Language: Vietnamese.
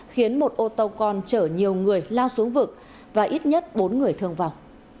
khiến một ô tô con chở nhiều người lao xuống vực và ít nhất bốn người thương vào